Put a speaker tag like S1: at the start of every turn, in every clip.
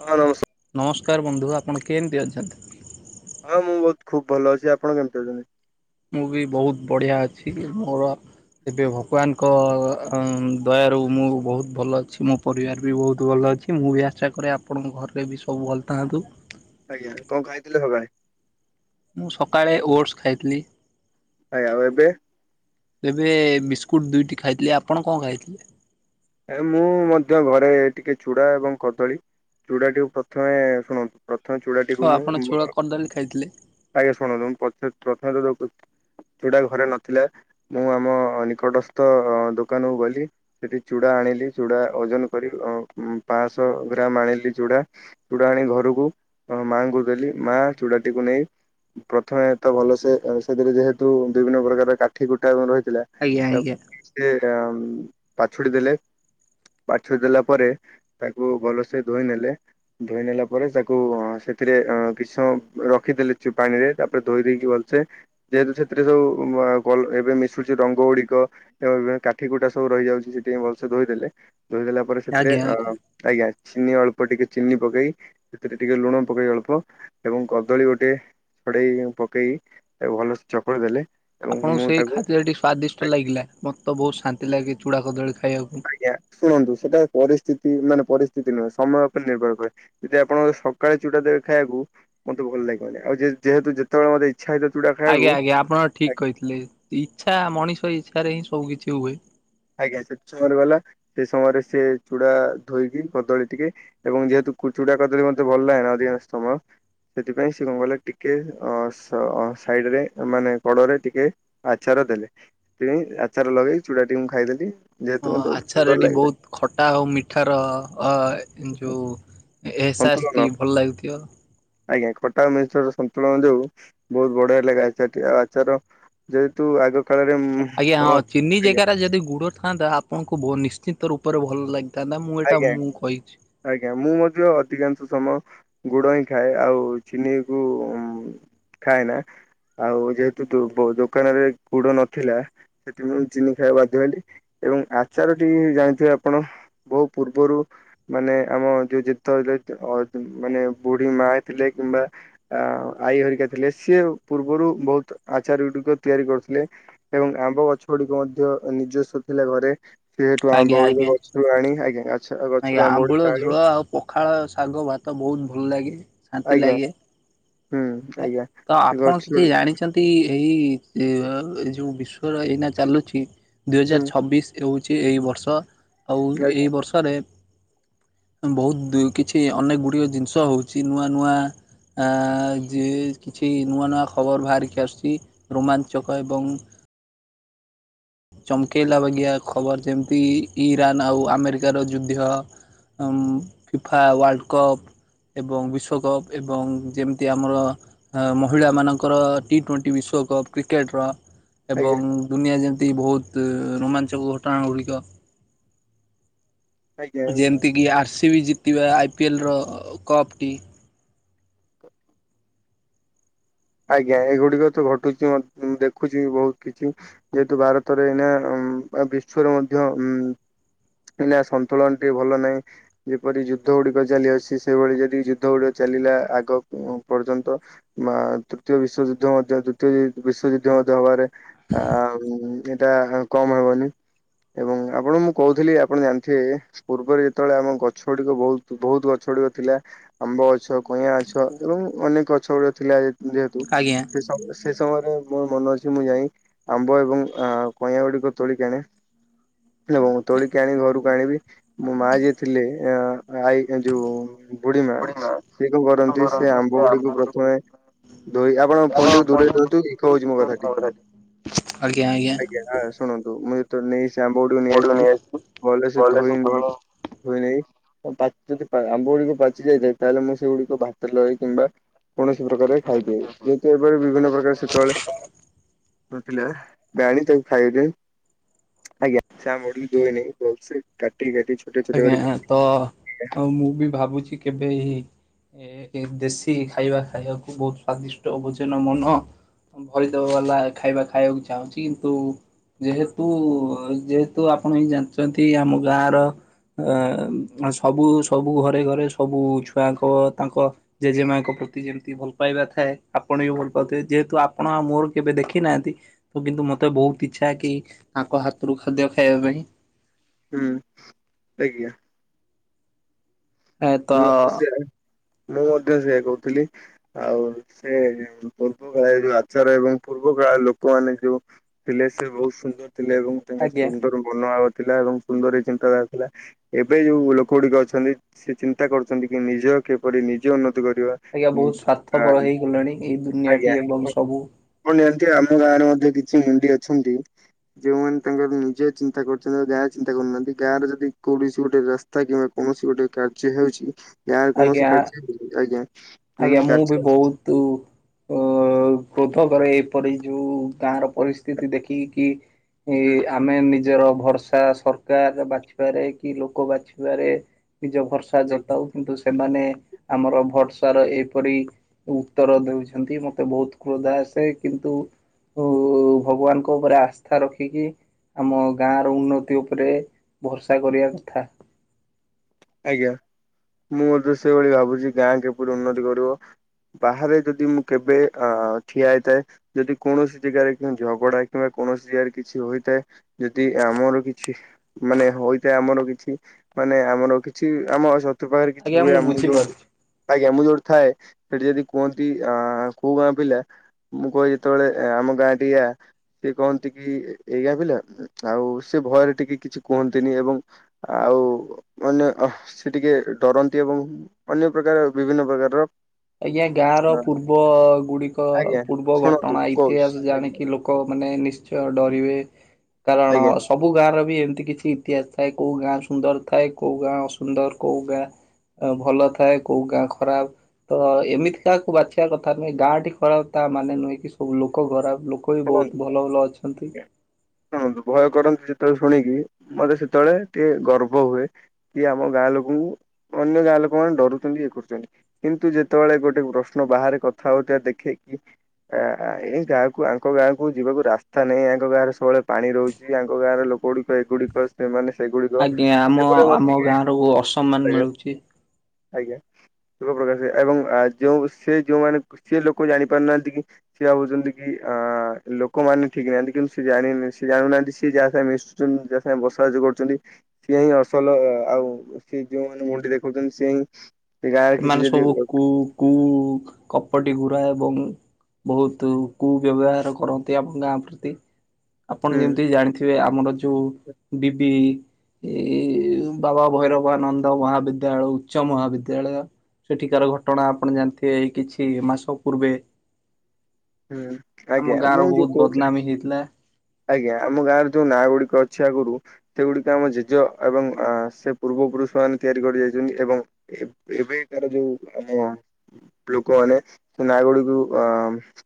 S1: ହଁ ନମସ୍କାର
S2: ନମସ୍କାର୍ ବନ୍ଧୁ ଆପଣ କେନ୍ତି ଅଛନ୍ତି?
S1: ହଁ ମୁଁ ବୋହୁତ୍ ଖୁବ୍ ଭଲ ଅଛି। ଆପଣ କେମ୍ତି ଅଛନ୍ତି?
S2: ମୁଁ ବି ବୋହୁତ୍ ବଢ଼ିଆ ଅଛି କି ମୋର ଏବେ ଭଗବାନ୍ ଙ୍କ ଦୟାରୁ ମୁଁ ବୋହୁତ୍ ଭଲ ଅଛି। ମୋ ପରିବାର ବି ବୋହୁତ୍ ଭଲ ଅଛି। ମୁଁ ବି ଆଶା କରେ ଆପଣଙ୍କ ଘରେ ବି ସବୁ ଭଲ ଥାଆନ୍ତୁ।
S1: ଆଜ୍ଞା କଣ ଖାଇଥିଲେ ସକାଳେ?
S2: ମୁଁ ସକାଳେ ଓଟ୍ସ୍ ଖାଇଥିଲି।
S1: ଆଜ୍ଞା ଆଉ ଏବେ।
S2: ଏବେ ବିସ୍କୁଟ୍ ଦୁଇଟି ଖାଇଥିଲି, ଆପଣ କଣ ଖାଇଥିଲେ?
S1: ଏ ମୁଁ ମଧ୍ୟ ଘରେ ଟିକେ ଚୁଡ଼ା ଏବଂ କଦଳୀ। ଚୁଡାଟିକୁ ପ୍ରଥମେ ଶୁଣନ୍ତୁ, ପ୍ରଥମେ
S2: ହଉ
S1: ଚୁଡାଟିକୁୁ ମୁଁ
S2: ଆପଣ ଚୂଡ଼ା
S1: ମୋର
S2: କଦଳୀ ଖାଇଥିଲେ
S1: ଆଜ୍ଞା ଶୁଣନ୍ତୁ ମୁଁ ପ୍ରଥମେ [unintelligible] ଚୁଡ଼ା ଘରେ ନଥିଲା, ମୁଁ ଆମ ନିକଟସ୍ଥ ଦୋକାନ କୁ ଗଲି। ଚୁଡ଼ା ଆଣିଲି ଚୁଡ଼ା ଓଜନ କରି [inaudible] ପାଂଅଶହ ଗ୍ରାମ୍ ଆଣିଲି ଚୁଡ଼ା। ଚୁଡ଼ା ଆଣି ଘରକୁ ମାଆ ଙ୍କୁ ଦେଲି ମା ଚୁଡ଼ାଟିକୁ ନେଇ ପ୍ରଥମେ ତ ଭଲ ସେ ଅ ସେଥିରେ ଯେହେତୁ ବିଭିନ୍ନ ପ୍ରକାର କାଠି କୁଟା ରହିଥିଲା।
S2: ଆଜ୍ଞା -ଆଜ୍ଞା।
S1: ସେ ଆ ମ୍-ମ୍-ମ୍ ପାଛୁଡ଼ି ଦେଲେ ପାଛୁଡ଼ି ଦେଲା ପରେ ତାକୁ ଭଲସେ ଧୋଇ ନେଲେ। ଧୋଇ ନେଲା ପରେ ତାକୁ ସେଥିରେ ଏଁ କିଷ୍ ମୟ ରଖିଦେଲେଛୁ ପାଣିରେ ତା ରେ ଧୋଇ ଦେଇକି ଭଲ୍ ସେ ଯେହେତୁ ସେଥିରେ ସବୁ [unintelligible] ଏବେ ମିଶୁଛି ରଙ୍ଗ ଗୁଡିକ। ଏବଂ କାଠି କୁଟା ସବୁ ରହିଯାଉଛି ସେଠି ଭଲସେ ଧୋଇ ଦେଲେ ଧୋଇଦେଲା ପରେ ସେଥିରେ
S2: ଆଜ୍ଞା
S1: ଆ-
S2: ଆଜ୍ଞା।
S1: ଆ -ଅ ଆଜ୍ଞା ଚିନି ଅଳ୍ପ ଟିକେ ଚିନି ପକେଇ ସେଥିରେ ଟିକେ ଲୁଣ ପକେଇ ଅଳ୍ପ ଏବଂ କଦଳୀ ଗୋଟେ ଛଡେଇ ପକେଇ ତାକୁ ଭଲସେ ଚକୁଡି ଦେଲେ ଏବଂ
S2: ଆପଣଙ୍କୁ
S1: ମୁଁ
S2: ସେଇ
S1: ତାକୁ
S2: ଖାଦ୍ୟଟି ସ୍ଵାଦିଷ୍ଟ ଲାଗିଲା ମତ ବୋହୁତ୍ ଶାନ୍ତି ଲାଗେ ଚୂଡ଼ା କଦଳୀ ଖାଇବାକୁ।
S1: ଆଜ୍ଞା ଶୁଣନ୍ତୁ ସେଟା ପରିସ୍ଥିତି ନା- ନା ପରିସ୍ଥିତି ନୁହେଁ, ସମୟ ଉପରେ ନିର୍ଭର କରେ। ଯଦି ଆପଣଙ୍କ ସକାଳେ ଚୁଡ଼ା ଦେବେ ଖାଇବାକୁ ମୋତେ ଭଲ୍ ଲାଗିବନି ଆଉ ଯେ- ଯେହେତୁ ଯେତେବେଳେ ମତେ [unintelligible]
S2: ଆଜ୍ଞା- ଆଜ୍ଞା ଆପଣ ଠିକ୍ କହିଥିଲେ ଇଚ୍ଛା ମଣିଷ ଇଚ୍ଛାରେ ହିଁ ସବୁ କିିଛି ହୁଏ।
S1: ଆଜ୍ଞା ସେତ ସମୟରେ ଗଲା, ଏ ସମୟରେ ସେ ଚୁଡା ଧୋଇକି କଦଳୀ ଟିକେ ଏବଂ ଯେହେତୁ କୁଚୁଡା କଦଳୀ ମତେ ଭଲ୍ ଲାଗେନା ଅଧିକାଂଶ ସମୟ। ସେଥିପାଇଁ ଶିଏ କଣ କଲେ ଟିକେ ଅଁ [unintelligible] ସାଇଡରେ ମାନେ କଡ଼ରେ ଟିକେ ଆଚାର ଦେଲେ, ସେଇ ଆଚାର ଲଗେଇ ଚୁଡ଼ାଟି ମୁଁ ଖାଇଦେଲି। ଯେହେତୁ
S2: ହଁ
S1: ମତେ
S2: ଆଚାର
S1: ସୁନ୍ଦର
S2: ଏଠି
S1: ଲାଗିଲା
S2: ବୋହୁତ୍ ଖଟା ଆଉ ମିଠାର ଅଁ -ଅଁ-ଅଁ ଯୋଉ ଏ
S1: ସନ୍ତୁଳନ
S2: ସାସ୍ଥି ଭଲ ଲାଗ୍ ଥିବ।
S1: ଆଜ୍ଞା ଖଟା [unintelligible] ସନ୍ତୁଳନ ଯୋଗୁ ବୋହୁତ୍ ବଢିଆ ଲାଗେ ଆଚାର ଟି ଆଉ ଆଚାର। ଯେହେତୁ ଆଗ କାଳରେ ଉମ୍-ମ୍-ମ୍
S2: ଆଜ୍ଞା ହଁ ଚିନି ଜେଗାରେ ଯଦି ଗୁଡ ଥାନ୍ତା ଆପଣଙ୍କୁ [inaudible] ନିଶ୍ଚିତ ରୂପରେ ଭଲ ଲାଗି ତା ନାଁ ମୁଁ ଏଇଟା
S1: ଆଜ୍ଞା
S2: ମୁଁ କହିଛି।
S1: ଆଜ୍ଞା ମୁଁ ମଧ୍ୟ ଅଧିକାଂଶ ସମୟ। ଗୁଡ ହିଁ ଖାଏ ଆଉ ଚିନି କୁ ଖାଏ ନା। ଆଉ ଯେହେତୁ ଦୋ ବ ଦୋକାନରେ ଗୁଡ ନଥିଲା। ସେଥିପାଇଁ ମୁଁ ଚିନି ଖାଇବାକୁ ବାଧ୍ୟ ହେଲି ଏବଂ ଆଚାରଟି ଜାଣିଥିବେ ଆପଣ। ବହୁ ପୂର୍ବରୁ। ମାନେ ଆମ ର ଯେ ଯେତେବେଳେ ଅ ମାନେ ବୁଢୀ ମା ଥିଲେ କିମ୍ବା। ଆ ଆଈ ହରିକା ଥିଲେ ସିଏ ପୂର୍ବରୁ ବହୁତ ଆଚାର ଗୁଡିକ ତିଆରି କରୁଥିଲେ। ଏବଂ ଆମ୍ବ ଗଛ ଗୁଡିକ ମଧ୍ୟ ନିଜସ୍ୱ ଥିଲା ଘରେ। ଯେହେତୁ
S2: ଆଜ୍ଞା
S1: ଆମ୍ବ ଗୁଡ଼ିକ
S2: ଆଜ୍ଞା
S1: ଗଛରୁ ଆଣି ଆଜ୍ଞା। ଆଛା ଗଛରୁ
S2: ଆଜ୍ଞା
S1: ଆମ୍ବ
S2: ଆମ୍ବୁଳ
S1: ଗୁଡିକ ଆଣି
S2: ଝୋଳ ଆଉ ପଖାଳ ଶାଗ ଭାତ ବହୁତ ଭଲ ଲାଗେ ଶାନ୍ତି
S1: ଆଜ୍ଞା
S2: ଲାଗେ।
S1: ହୁଁ ଆଜ୍ଞା ସେ ଗଛ ରୁ।
S2: ଟି ଏହି ଏ ଅ ଏ ଯୋଉ ବିଶ୍ଵର ଏଇନା ଚାଲୁଛି ଦୁଇ ହଜାର ଛବିଶି। ହଉଛି ଏଇ ବର୍ଷ ଆଉ
S1: ଆଜ୍ଞା
S2: ଏଇ ବର୍ଷରେ। ବହୁତ କିଛି ଅନେକ ଗୁଡ଼ିଏ ଜିନିଷ ହଉଛି ନୂଆ ନୂଆ ଆ ଯିଏ କିଛି ନୂଆ ନୂଆ ଖବର ବାହାରିକି ଆସୁଛି ରୋମାଞ୍ଚକ ଏବଂ। ଚମକେଇଲା ବାଗିଆ ଖବର ଯେମିତି ଇରାନ୍ ଆଉ ଆମେରିକାର ଯୁଦ୍ଧ୍ୟ। ଅମ୍ ଫିଫା ୱାର୍ଲ୍ଡ଼ କପ୍। ଏବଂ ବିଶ୍ୱକପ୍ ଏବଂ ଯେମିତି ଆମର। ଅ ମହିଳାମାନଙ୍କ ର ଟି ଟ୍ବୋଣ୍ଟି ବିଶ୍ବକପ୍ କ୍ରିକେଟ୍ ର। ଏବଂ
S1: ଆଜ୍ଞା
S2: ଦୁନିଆ ଯେମିତି ବହୁତ ରୋମାଞ୍ଚକ ଘଟଣା ଗୁଡ଼ିକ।
S1: ଆଜ୍ଞା
S2: ଯେମିତିକି ଆର୍ ସି ବି ଜିତିବା ଆଇ ପିଏଲର କପ୍ ଟି।
S1: ଆଜ୍ଞା ଏଗୁଡିକ ତ ଘଟୁଛି ମ ଦେଖୁଛି ବହୁତ କିଛି। ଯେହେତୁ ଭାରତରେ ଏଇନା ଅମ୍ ବିଶ୍ଵରେ ମଧ୍ୟ ଉଁ। ଏଇନା ସନ୍ତୁଳନ ଟିକେ ଭଲ ନାହିଁ। ଯେପରି ଯୁଦ୍ଧ ଗୁଡିକ ଚାଲି ଅଛି ସେଭଳି ଯଦି ଯୁଦ୍ଧ ଗୁଡିକ ଚାଲିଲା ଆଗ ପର୍ଯ୍ୟନ୍ତ। ବା ତୃତୀୟ ବିଶ୍ଵଯୁଦ୍ଧ ମଧ୍ୟ ତୃତୀୟ ବି ବିଶ୍ଵଯୁଦ୍ଧ ମଧ୍ୟ ହବାରେ। ଆଉ ଏଇଟା କମ ହେବନି। ଏବଂ ଆପଣ ଙ୍କୁ ମୁଁ କହୁଥିଲି ଆପଣ ଜାଣିଥିବେ। ପୂର୍ବରେ ଯେତେବେଳେ ଆମ ଗଛ ଗୁଡିକ ବହୁତ ବହୁତ ଗଛ ଗୁଡିକ ଥିଲା। ଆମ୍ବ ଗଛ, କଇଁଆ ଗଛ, ଏବଂ ଅନେକ ଗଛ ଗୁଡିକ ଥିଲା ଯେହେତୁ।
S2: ଆଜ୍ଞା
S1: ଆଉ ସେ ସମୟରେ ମୋର ମନେ ଅଛି ମୁଁ ଯାଇଁ। ଆମ୍ବ ଏବଂ ଆଁ କଇଁଆ ଗୁଡ଼ିକ ତୋଳି କି ଆଣେ। ଏବଂ ତୋଳିକି ଆଣି ଘରକୁ ଆଣିବି ମୋ ମା ଯିଏ ଥିଲେ ଆଁ। ଆଈ ଏ ଯୋଉ ବୁଢୀ ମା ସିଏ କଣ କରନ୍ତି ସେ ଆମ୍ବ ଗୁଡିକୁ ପ୍ରଥମେ। ଧୋଇ ଆପଣ ଫୋନଟିକୁ ଦୂରେଇ ଦିଅନ୍ତୁ ଇକୋହଉଛି ମୋ କଥାଟି ଆଜ୍ଞା ହଁ। ଶୁଣନ୍ତୁ ମୁଁ ଯେତେ ବେଳେ ନେଇ ସେ ଆମ୍ବ ଗୁଡିକୁ ନେଇ ଆସିିବି ଭଲ ସେ ଧୋଇ ମ ଧୋଇ ନେବି ପା ଯଦି ଆମ୍ବ ଗୁଡିକ ପାଚି ଯାଇଥାଏ ତାହେଲେ ମୁଁ ସେଗୁଡିକ ଭାତରେ ଲଗେଇ କିମ୍ବା। ଏହି କି ପ୍ରକାର ଖାଇଦିଏ ଯେହେତୁ ଏ ବେ ବିଭିନ୍ନ ପ୍ରକାର ସେତବେଳେ। ନଥିଲା ଆଣି ତାକୁ ଖାଇଦିଏ। ଆଜ୍ଞା ସେ ଆମ୍ବଟିକୁ ଧୁଏନାହିଁ ଭଲସେ କାଟି କାଟି ଛୋ
S2: ଆଜ୍ଞା ତ ମୁଁ ବି ଭାବୁଛି କେବେ ଏହି। ଏ ଦେଶୀ ଖାଇବା ଖାଇବାକୁ ବହୁତ ସ୍ଵାଦିଷ୍ଟ ଭୋଜନ ମନ। ଭରିଦବ ବାଲା ଖାଇବା ଖାଇବାକୁ ଚାହୁଁଛି କିନ୍ତୁ। ଯେହେତୁ ଯେହେତୁ ଆପଣ ବି ଜାଣିଚନ୍ତି ଆମ ଗାଁର। ଅ ସବୁ ସବୁ ଘରେ ଘରେ ସବୁ ଛୁଆଙ୍କ ତାଙ୍କ ଜେଜେମାଙ୍କ ପ୍ରତି ଯେମତି ଭଲ ପାଇବା ଥାଏ ଆପଣ ବି ଭଲ ପାଉଥିବେ ଯେହେତୁ ଆପଣ ଆଉ ମୋର କେବେ ଦେଖି ନାହାନ୍ତି ତ କିନ୍ତୁ ମତେ ବହୁତ ଇଚ୍ଛା କି ଆଙ୍କ ହାତରୁ ଖାଦ୍ୟ ଖାଇବା ପାଇଁ।
S1: ହୁଁ ଆଜ୍ଞା। ମୁଁ ବି
S2: ତ
S1: ସେୟା ମୁଁ ମଧ୍ୟ ସେୟା କହୁଥିଲି। ଆଉ ସେ ପୂର୍ବ [unintelligible] ଯୋଉ ଆଚାର ଏବଂ ପୂର୍ବ କାଳରେ ଲୋକମାନେ ଯୋଉ ଥିଲେ ସେ ବହୁତ ସୁନ୍ଦର ଥିଲେ ଏବଂ ତାଙ୍କ
S2: ଆଜ୍ଞା
S1: ସୁନ୍ଦର ମନଭାବ ଥିଲା ଏବଂ [unintelligible] ଚିନ୍ତାଧାରା ଥିଲା ଏବେ ଯୋଉ ଲୋକ ଗୁଡିକ ଅଛନ୍ତି ସେ ଚିନ୍ତା କରୁଛନ୍ତି କି ନିଜ କେପଡି ନିଜେ ଉନ୍ନତି କରିବା
S2: ଆଜ୍ଞା ବହୁତ ସ୍ଵାର୍ଥପର ହେଇଗଲେଣି ଏଇ
S1: ଆଜ୍ଞା
S2: ଦୁନିଆଟି ଏବଂ ସବୁ।
S1: ଆପଣ ଜାଣନ୍ତି ଆମ ଗାଁ ରେ ମଧ୍ୟ କିଛି [unintelligible] ଅଛନ୍ତି ଯେଉଁମାନେ ତାଙ୍କର ନିଜ ଚିନ୍ତା କରୁଛନ୍ତି ଗାଁ ଚିନ୍ତା କରୁନାହାନ୍ତି ଗାଁ ର ଯଦି କୌଣସି ଗୋଟେ ରାସ୍ ରାସ୍ତା କିମ୍ବା କୌଣସି ଗୋଟେ କା କାର୍ଯ୍ୟ ହେଉଛି ଗାଁରେ କୌଣସି
S2: ଆଜ୍ଞା
S1: କାର୍ଯ୍ୟ [unintelligible] ଆଜ୍ଞା କୌଣସି କାର୍ଯ୍ୟ
S2: ତୁ [unintelligible] କରେ ଏପରି ଯୋଉ ଗାଁର ପରିସ୍ଥିତି ଦେଖିକି ଆମେ ନି ନିଜର ଭରସା ସରକାର ବାଛିବାରେ କି ଲୋକ ବାଛିବାରେ ନିଜ ଭରସା ଜତାଉ କିନ୍ତୁ ସେମାନେ ଆମର ଭରସା ର ଏପରି ଉତ୍ତର ଦେଉଛନ୍ତି ମତେ ବହୁତ କ୍ରୋଧ ଆସେ କିନ୍ତୁ ଉ ଭଗବାନଙ୍କ ଉପରେ ଆସ୍ଥା ରଖିକି ଆମ ଗାଁ ର ଉନ୍ନତି ଉପରେ ଭରସା କରିବା କଥା।
S1: ଆଜ୍ଞା। ମୁଁ ମଧ୍ୟ ସେଭଳି ଭାବୁଚି ଗାଁ କିପରି ଉନ୍ନତି କରିବ। ବାହାରେ ଯଦି ମୁଁ କେବେ ଅ ଠିଆ ହେଇଥାଏ ଯଦି କୋଣସି ଜେଗାରେ ଝଗଡ଼ା କିମ୍ବା କୋଣସି ଜେଗାରେ କିଛି ହୋଇଥାଏ ଯଦି ଆମର କିଛି ମାନେ ହୋଇଥାଏ ଆମର କିଛି ମାନେ ଆମର କି କିଛି ଆମ [unintelligible] ପାଖରେ କିଛି
S2: ଆଜ୍ଞା
S1: ହୁଏ ଆଉ ମୁଁ ଯୋଉଁଠି
S2: ବୁଝିପାରୁଛି।
S1: ଆଜ୍ଞା ମୁଁ ଯୋଉଠି ଥାଏ ସେଠି ଯଦି କୁହନ୍ତି ଆଁ କୋଉ ଗାଁ ପିଲା ମୁଁ କହେ ଯେତବେଳେ ଆମ ଗାଁ ଟି ଆ ସିଏ କହନ୍ତି କି ଏଇ ଗାଁ ପିଲା ଆଉ ସେ ଭୟରେ ଟିକେ କିଛି କୁହନ୍ତିନି ଏବଂ ଆଉ ମାନେ ସେ ଟିକେ ଡରନ୍ତି ଏବଂ ଅନ୍ୟ ପ୍ରକାର ବିଭିନ୍ନ ପ୍ରକାରର
S2: ଆଜ୍ଞା ଗାଁର ପୂର୍ବ ଗୁଡ଼ିକ
S1: ଆଜ୍ଞା
S2: ପୂର୍ବ
S1: ଶୁଣନ୍ତୁ
S2: ଘଟଣା
S1: କହୁଛି
S2: ଇତିହାସ
S1: ଆଜ୍ଞା
S2: ଜାଣିକି ଲୋ କ ମାନେ ନିଶ୍ଚୟ ଡରିବେ କାରଣ
S1: ଆଜ୍ଞା
S2: ସବୁ ଗାଁ ର ବି ଏମତି କିଛି ଇତିହାସ ଥାଏ କୋଉ ଗାଁ ସୁନ୍ଦର୍ ଥାଏ କୋଉ ଗାଁ ଅସୁନ୍ଦର୍ କୋଉ ଗାଁ ଭଲ ଥାଏ କୋଉ ଗାଁ ଖରାପ୍ ତ ଏମିତି କାହାକୁ ବାଛିବା କଥା ନୁହେଁ ଗାଁଟି ଖରାପ୍ ତା ମାନେ ନୁହେଁ କି ସବୁ ଲୋକ ଖରାପ୍ ଲୋକ ଲୋକ ବି ବହୁତ୍
S1: ଶୁଣନ୍ତୁ
S2: ଭଲ ଭଲ ଅଛନ୍ତି।
S1: ଶୁଣନ୍ତୁ ଭୟ କରନ୍ତି ଯେତେବେଳେ ଶୁଣିକି ମତେ ସେତେବେଳେ ଟିକେ ଗର୍ବ ହୁଏ କି ଆମ ଗାଁ ଲୋକଙ୍କୁ ଅନ୍ୟ ଗାଁ ଲୋକ ମାନେ ଡରୁଛନ୍ତି ଇଏ କରୁଛନ୍ତି। କିନ୍ତୁ ଯେତେବେଳେ ଗୋଟେ ପ୍ରଶ୍ନ ବାହାରେ କଥା ହଉଥିବା ଦେଖେ କି ଆ [unintelligible] ଆଙ୍କ ଗାଁକୁ ଯିବାକୁ ରାସ୍ତା ନାହିଁ ୟାଙ୍କ ଗାଁରେ ସବୁବେଳେ ପାଣି ରହୁଛି ୟାଙ୍କ ଗାଁର ଲୋକ ଗୁଡ଼ିକ ଏଗୁଡ଼ିକ ସେମାନେ ସେଗୁଡ଼ିକ
S2: ଆଜ୍ଞା ଆମ
S1: ସେ ଗୁଡା
S2: ଆମ
S1: ମତେ ଟିକେ
S2: ଗାଁରୁ ଅସମ୍ମାନ
S1: ଆଜ୍ଞା
S2: ମିଳୁଛି।
S1: ଆଜ୍ଞା। ଦୁଃଖ ପ୍ରକାଶ [unintelligible] ଏବଂ ଯେଉଁ ସେ ଯୋଉଁମାନେ ସେ ଲୋକ ଜାଣି ପାରୁନାହାନ୍ତି କି ସିଏ ଭାବୁଛନ୍ତି କି ଆ ଲୋକମାନେ ଠିକ୍ ନାହାନ୍ତି କିନ୍ତୁ ସେ ଜା ସେ ଜାଣୁନାହାନ୍ତି ସିଏ ଯାହା ସାଙ୍ଗେ ମିଶୁଛନ୍ତି ଯାହା ସାଙ୍ଗେ ବସାବସି କରୁଛନ୍ତି ସିଏ ହିଁ ଅସଲ ଆଉ ସିଏ ଯୋଉମାନେ ମୁଣ୍ଡିି ଦେଖାଉଛନ୍ତି ସିଏ ହିଁ ଏ ଗାଁ ରେ
S2: ସେମାନେ
S1: କିଛି ଯଦି
S2: ସବୁ କୁ
S1: ଲୋକ
S2: କୁ କପଟି ଗୁରା ଏବଂ ବହୁତ୍ କୁ ବ୍ୟବହାର କରନ୍ତି ଆମ ଗାଁ ପ୍ରତି ଆପଣ
S1: ହୁଁ
S2: ଯେମିତି ଜାଣିଥିବେ ଆମର ଯୋଉ ବିବି ଏଇ ବାବା ଭୈରବାନନ୍ଦ ମହାବିଦ୍ୟାଳୟ ଉଚ୍ଚ ମହାବିଦ୍ୟାଳୟ ସେଠିକାର ଘଟଣା ଆପଣ ଜାଣିଥିବେ ଏଇ କିଛି ମାସ ପୂର୍ବେ
S1: ହୁଁ
S2: ଆମ
S1: ଆଜ୍ଞା
S2: ଗାଁ
S1: ମୁଁ
S2: ର
S1: ଯୋଉ
S2: ବହୁତ୍
S1: କହୁଥିଲି
S2: ବଦନାମୀ ହେଇଥିଲା।
S1: ଆଜ୍ଞା ଆମ ଗାଁରେ ଯୋଉ ନାଁ ଗୁଡ଼ିକ ଅଛି ଆଗରୁ ସେ ଗୁଡ଼ିକ ଆମ ଜେଜ ଏବଂ ସେ ପୂର୍ବ ପୁରୁଷ ମାନେ ତିଆରି କରି ଯାଇଛନ୍ତି ଏବଂ ଏବେ ଏବେ କାର ଯୋଉ ଆମ ଲୋକମାନେ ସେ ନାଁ ଗୁଡ଼ିକୁ ଅ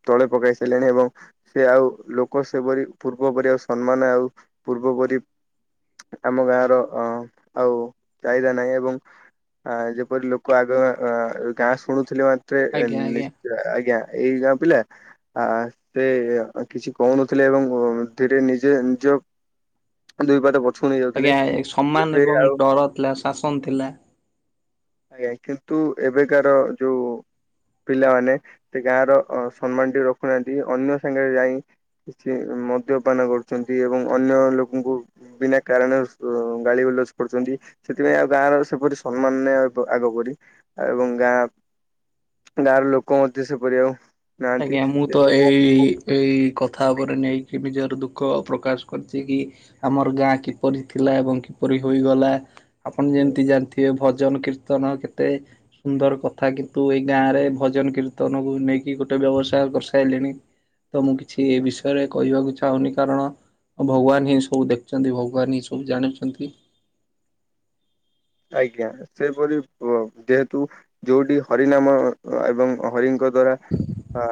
S1: ତଳେ ପକାଇ ସାରିଲେଣି ଏବଂ ସେ ଆଉ ଲୋକ ସେପରି ପୂର୍ବପରି ଆଉ ସମ୍ମାନ୍ ଆଉ ପୂର୍ବପରି ଆମ ଗାଁ ର ଅ ଆଉ ଚାହିଦା ନାହିଁ ଏବଂ ଆ ଯେପରି ଲୋକ ଆଗ ଗାଁ ଶୁଣୁଥିଲେ ମାତ୍ରେ
S2: ଆଜ୍ଞା
S1: ନି
S2: ଆଜ୍ଞା
S1: ଆଜ୍ଞା ଏଇ ଗାଁ ପିଲା ଆ ସେ କିଛି କହୁନଥିଲେ ଏବଂ ଓ ଧୀରେ ନିଜେ ନିଜ ଦୁଇ ପାଟ ପଛକୁ ନେଇ ଯାଉଥିଲେ
S2: ଆଜ୍ଞା ସମାନ
S1: ଏବେ
S2: ଏବଂ
S1: ଆଉ
S2: ଡର ଥିଲା ଶାସନ୍ ଥିଲା।
S1: ଆଜ୍ଞା କିନ୍ତୁ ଏବେକାର ଯୋଉ ପିଲାମାନେ ସେ ଗାଁ ର ସମ୍ମାନ୍ ଟିକେ ରଖୁନାହାନ୍ତି ଅନ୍ୟ ସାଙ୍ଗରେ ଯାଇଁ କିଛି ମଦ୍ୟପାନ କରୁଛନ୍ତି ଏବଂ ଅନ୍ୟ ଲୋକଙ୍କୁ ବିନା କାରଣ ଗାଳି ଗୁଲଜ୍ କରୁଛନ୍ତି ସେଥିପାଇଁ ଆଉ ଗାଁର ସେପରି ସମ୍ମାନ୍ ନାଇଁ ଆଗ ପରି ଏବଂ ଗାଁ ଗାଁ ର ଲୋକ ମଧ୍ୟ ସେପରି ଆଉ ନାହାନ୍ତି
S2: ଆଜ୍ଞା ମୁଁ ତ ଏଇ
S1: [inaudible]
S2: ଏଇ କଥା ଉପରେ ନେଇକି ନିଜର ଦୁଃଖ ପ୍ରକାଶ୍ କରିଚି କି ଆମର ଗାଁ କିପରି ଥିଲା ଏବଂ କିପରି ହୋଇଗଲା ଆପଣ ଯେମିତି ଜାଣିଥିବେ ଭଜନ କୀର୍ତ୍ତନ କେତେ ସୁନ୍ଦର କଥା କିନ୍ତୁ ଏଇ ଗାଁ ରେ ଭଜନ କୀର୍ତ୍ତନକୁ ନେଇକି ଗୋଟେ ଗୋଟେ ବ୍ୟବସାୟ କରିସାରିଲିଣି ତ ମୁଁ କିଛି ଏ ବିଷୟରେ କହିବାକୁ ଚାହୁଁନି କାରଣ ଆଉ ଭଗବାନ ହିଁ ସବୁ ଦେଖୁଛନ୍ତି ଭଗବାନ ହିଁ ସବୁ ଜାଣିଛନ୍ତି
S1: ଆଜ୍ଞା ସେପରି ଯେହେତୁ ଯୋଉଠି ହରି ନାମ ଏବଂ ହରିଙ୍କ ଦ୍ଵାରା ଆ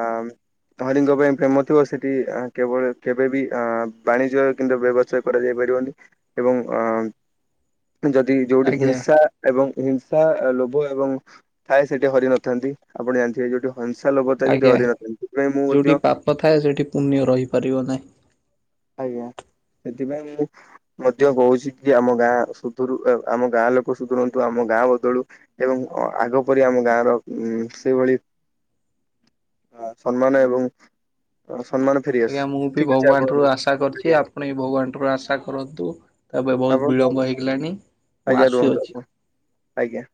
S1: ହରିଙ୍କ ପାଇଁ ପ୍ରେମ ଥିବ ସେଠି କେବଳ କେବେ ବି ଅ ବାଣିଜ୍ୟ କିନ୍ତୁ ବ୍ୟବସାୟ କରାଯାଇ ପାରିବନି ଏବଂ ଅ ଯଦି ଯୋଉଠି
S2: ଆଜ୍ଞା
S1: ହିଂସା, ଏବଂ ହିଂସା ଲୋଭ ଏବଂ ଥାଏ ସେଠି ହରି ନଥାନ୍ତି ଆପଣ ଜାଣିଥିବେ ଯୋଉଠି ସଂସା ଲୋଭତା ସେଠି ହରି ନଥାନ୍ତି ସେଥିପାଇଁ ମୁଁ ମଧ୍ୟ
S2: କଥାଏ ସେଇଠି ପୁଣ୍ୟ ରହିପାରିବ ନାହିଁ
S1: ଆଜ୍ଞା ସେଥିପାଇଁ ମୁଁ ମଧ୍ୟ କହୁଛି କି ଆମ ଗାଁ ସୁଧରୁ ଆମ ଗାଁ ଲୋକ ସୁଧରନ୍ତୁ ଆମ ଗାଁ ବଦଳୁ। ଏବଂ ଆଗ ପରି ଆମ ଗାଁ ର ଉ ସେଇଭଳି ସମ୍ମାନ ଏବଂ ସମ୍ମାନ
S2: ଆଜ୍ଞା
S1: ଫେରିଆସୁ
S2: ମୁଁ ବି
S1: ଠିକ ଅଛି
S2: ଭଗବାନଠୁ
S1: ଆପଣ
S2: ଆଶା କରୁଛି
S1: ଆଜ୍ଞା
S2: ଆପଣ ଭଗବାନ ଠାରୁ ଆଶା କରନ୍ତୁ ତାପରେ ବହୁତ
S1: ଆପଣ
S2: ବିଳମ୍ବ ହେଇଗଲାଣି। ମୁଁ
S1: ଆଜ୍ଞା ରୁହନ୍ତୁ
S2: ଆସୁଅଛି।
S1: ଆପଣ ଆଜ୍ଞା